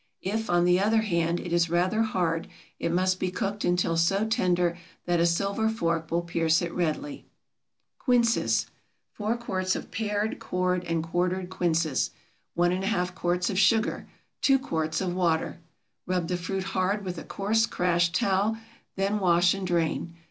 If, on the other hand, it is rather hard it must be cooked until so tender that a silver fork will pierce it readily. QUINCES. 4 quarts of pared, cored, and quartered quinces. 1½ quarts of sugar. 2 quarts of water. Rub the fruit hard with a coarse, crash towel, then wash and drain.